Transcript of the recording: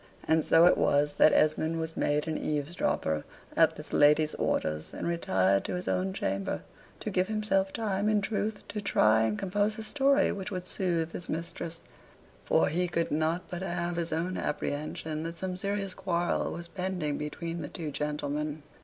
And so it was that Esmond was made an eavesdropper at this lady's orders and retired to his own chamber, to give himself time in truth to try and compose a story which would soothe his mistress, for he could not but have his own apprehension that some serious quarrel was pending between the two gentlemen.